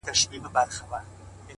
زه وايم دا~